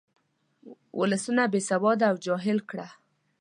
ولسونه بې سواده او جاهل کړه.